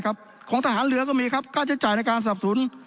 ครับของทหารเหลือก็มีครับกล้าจะจ่ายในการสรรพศุนย์